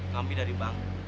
kami dari bank